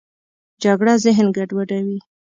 جګړه ذهن ګډوډوي